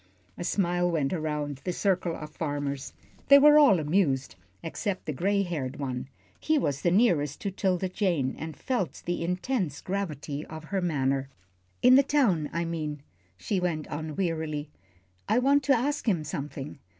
A smile went around the circle of farmers. They were all amused, except the gray haired one. He was nearest to 'Tilda Jane, and felt the intense gravity of her manner. "In the town, I mean," she went on, wearily. "I want to ask him something.